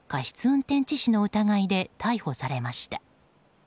運転致死の疑いで逮捕されました。